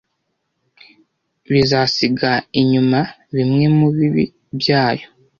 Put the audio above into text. bizasiga inyuma bimwe mubi bibi byayo,